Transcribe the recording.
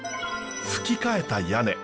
ふき替えた屋根。